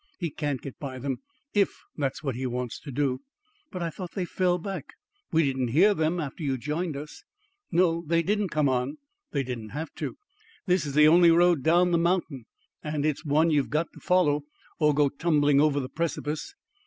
He can't get by them IF that's what he wants to do." "But I thought they fell back. We didn't hear them after you joined us." "No; they didn't come on. They didn't have to. This is the only road down the mountain, and it's one you've got to follow or go tumbling over the precipice.